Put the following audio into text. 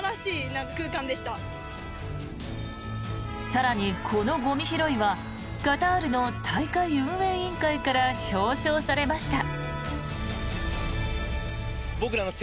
更に、このゴミ拾いはカタールの大会運営委員会から表彰されました。